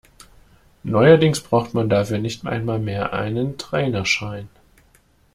Neuerdings braucht man dafür nicht einmal mehr einen Trainerschein.